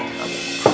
itu untuk guru